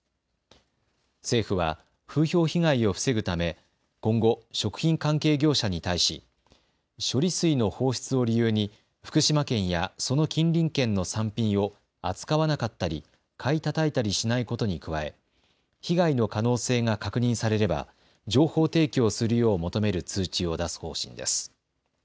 政府は風評被害を防ぐため今後、食品関係業者に対し処理水の放出を理由に福島県やその近隣県の産品を扱わなかったり買いたたいたりしないことに加え被害の可能性が確認されれば情報提供するよう求める通知を出す方針です。